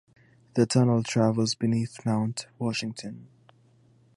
The tunnel travels beneath Mount Washington.